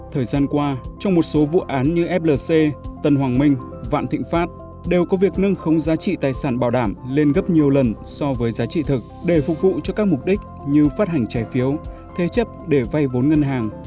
thời gian qua trong một số vụ án như flc tân hoàng minh vạn thịnh pháp đều có việc nâng khống giá trị tài sản bảo đảm lên gấp nhiều lần so với giá trị thực để phục vụ cho các mục đích như phát hành trái phiếu thế chấp để vay vốn ngân hàng